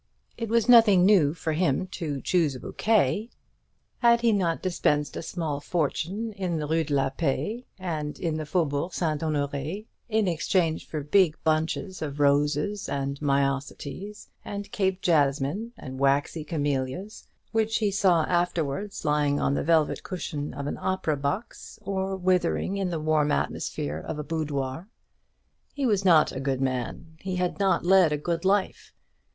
It was nothing new for him to choose a bouquet. Had he not dispensed a small fortune in the Rue de la Paix and in the Faubourg St. Honoré, in exchange for big bunches of roses and myosotis, and Cape jasmine and waxy camellias; which he saw afterwards lying on the velvet cushion of an opera box, or withering in the warm atmosphere of a boudoir? He was not a good man, he had not led a good life.